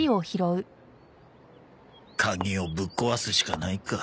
鍵をぶっ壊すしかないか。